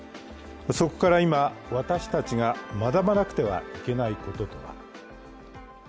そこから今、私たちが学ばなくてはいけないこととは。